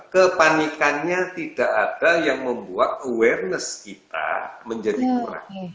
kepanikannya tidak ada yang membuat awareness kita menjadi kurang